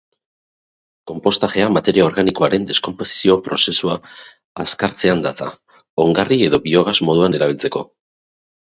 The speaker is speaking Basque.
Konpostajea materia organikoaren deskonposizio prozesua azkartzean datza, ongarri edo biogas moduan erabiltzeko.